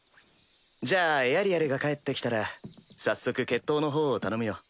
じゃあエアリアルが帰って来たら早速決闘の方を頼むよ。